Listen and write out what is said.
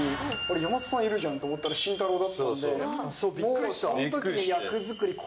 山里さんいるじゃんと思ったら、慎太郎だったんで、びっくりした。